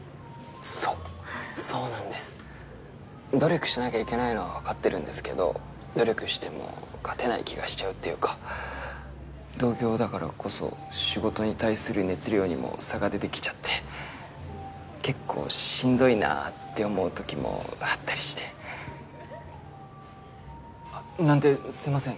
そうそうなんです努力しなきゃいけないのは分かってるんですけど努力しても勝てない気がしちゃうっていうか同業だからこそ仕事に対する熱量にも差が出てきちゃって結構しんどいなって思う時もあったりしてなんてすいません